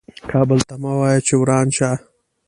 کابل ته مه وایه چې وران شه .